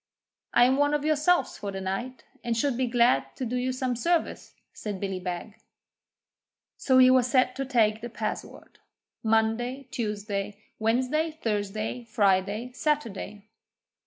'I am one of Yourselves for the night, and should be glad to do you some service,' said Billy Beg. So he was set to take the password Monday, Tuesday, Wednesday, Thursday, Friday, Saturday.